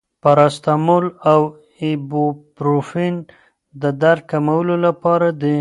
پاراسټامول او ایبوپروفین د درد کمولو لپاره دي.